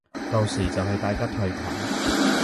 到時就係大家退群